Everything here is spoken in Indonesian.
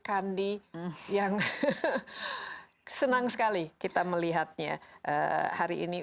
kandi yang senang sekali kita melihatnya hari ini